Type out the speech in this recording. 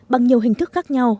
bằng nhiều hình thức khác nhau